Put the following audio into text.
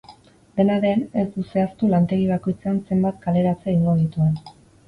Dena den, ez du zehaztu lantegi bakoitzean zenbat kaleratze egingo dituen.